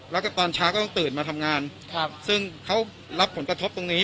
แล้วก็ตอนเช้าก็ต้องตื่นมาทำงานซึ่งเขารับผลกระทบตรงนี้